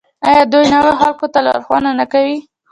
آیا دوی نویو خلکو ته لارښوونه نه کوي؟